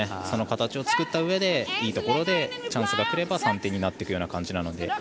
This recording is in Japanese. その形を作ったうえでいいところでチャンスがくれば３点になっていくような感じなので。